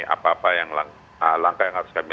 apa apa langkah yang harus kami